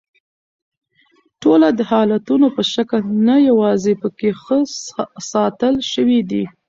ټوله د حالتونو په شکل نه یواځي پکښې ښه ساتل شوي دي